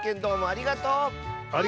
ありがとう！